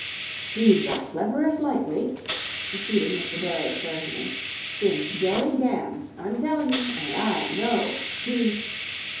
"He's the cleverest lightweight," proceeded Mr. Burrowes fervently, "since Joe Gans. I'm telling you and I know! He..."